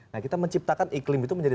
nah kita menciptakan iklim itu menjadi